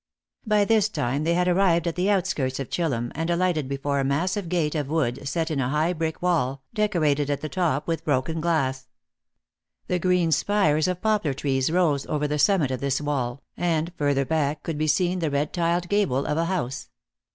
By this time they had arrived at the outskirts of Chillum, and alighted before a massive gate of wood set in a high brick wall, decorated at the top with broken glass. The green spires of poplar trees rose over the summit of this wall, and further back could be seen the red tiled gable of a house.